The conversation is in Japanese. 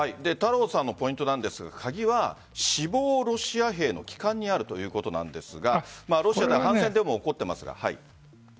太郎さんのポイントなんですが鍵は死亡ロシア兵の帰還にあるということなんですがロシアでも反戦デモが起こっています。